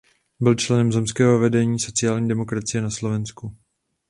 Byl členem zemského vedení sociální demokracie na Slovensku.